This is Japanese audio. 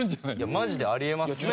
マジであり得ますね。